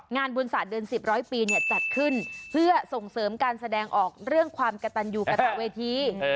งานบุญศาสตร์เดือน๑๐ปีจัดขึ้นเพื่อส่งเสริมการแสดงออกเรื่องความกระตันอยู่กระตะเวที